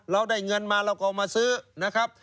เราได้เงินมาเราก็เอามาซื้อนะครับ